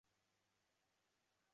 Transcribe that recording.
圣博代。